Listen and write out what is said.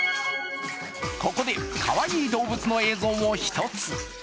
ここでかわいい動物の映像を１つ。